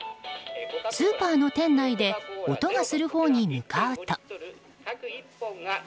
スーパーの店内で音がするほうに向かうと。